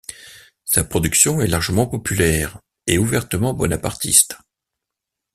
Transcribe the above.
Sa production est largement populaire et ouvertement Bonapartiste.